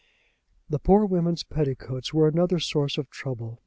The poor women's petticoats was another source of trouble.